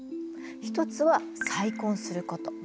一つは再婚すること。